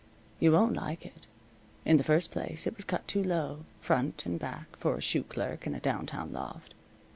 You won't like it. In the first place, it was cut too low, front and back, for a shoe clerk in a downtown loft.